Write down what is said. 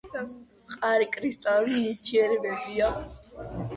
მყარი კრისტალური ნივთიერებებია.